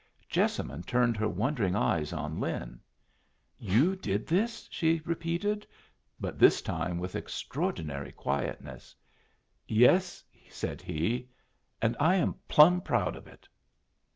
Jessamine turned her wondering eyes on Lin. "You did do this," she repeated, but this time with extraordinary quietness. "Yes," said he. "And I am plumb proud of it."